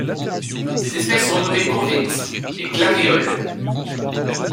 Ces espèces sont nommées courvites et glaréoles.